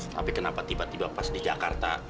tapi kenapa tiba tiba pas di jakarta